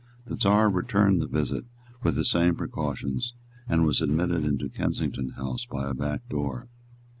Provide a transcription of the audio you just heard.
The Czar returned the visit with the same precautions, and was admitted into Kensington House by a back door.